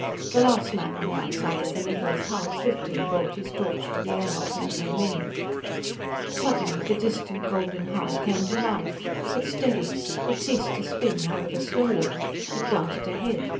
The last man on the outside of the Niccola's hull thriftily brought his torch to the air lock and came in. Suddenly, the distant golden hull came to life. It steadied. It ceased to spin, however slowly. It darted ahead.